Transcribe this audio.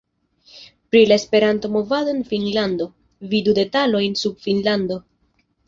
Pri la Esperanto-movado en Finnlando: vidu detalojn sub Finnlando.